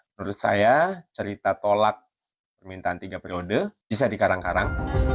menurut saya cerita tolak permintaan tiga periode bisa dikarang karang